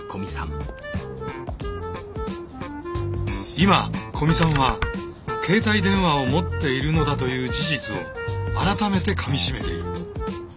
今古見さんは携帯電話を持っているのだという事実を改めてかみしめている。